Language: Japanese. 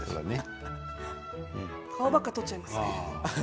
顔ばっかり撮っちゃいますね。